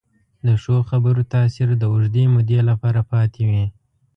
د ښو خبرو تاثیر د اوږدې مودې لپاره پاتې وي.